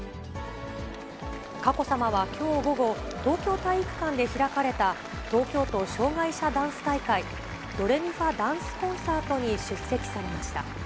佳子さまはきょう午後、東京体育館で開かれた、東京都障がい者ダンス大会、ドレミファダンスコンサートに出席されました。